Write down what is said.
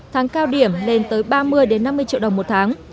tháng cao điểm lên tới ba mươi năm mươi triệu đồng một tháng